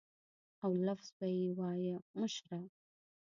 او لفظ به یې وایه مشره.